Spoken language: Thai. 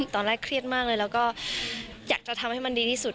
ตอนแรกเครียดมากเลยแล้วก็อยากจะทำให้มันดีที่สุด